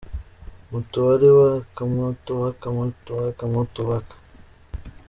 Mwoto wari waka mwoto waka mwoto waka, mwoto waka mwoto………………